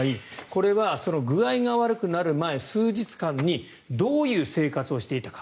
これは具合が悪くなる前数日間にどういう生活をしていたか。